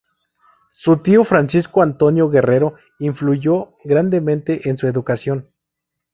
Su tío, Francisco Antonio Guerrero, influyó grandemente en su educación.